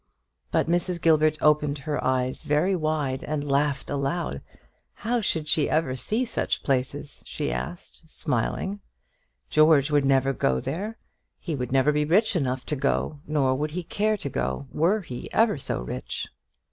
But Mrs. Gilbert opened her eyes very wide and laughed aloud. How should she ever see such places? she asked, smiling. George would never go there; he would never be rich enough to go; nor would he care to go, were he ever so rich.